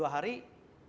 gak bisa menjawab